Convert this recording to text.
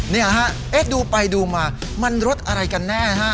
เนี่ยฮะเอ๊ะดูไปดูมามันรถอะไรกันแน่นะฮะ